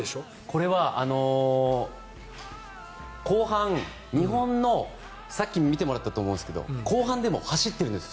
これは後半、日本のさっき見てもらったと思うんですけど後半でも走っているんです